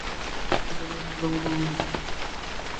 চিন্তা করো না, আমি কাউকে বলব না।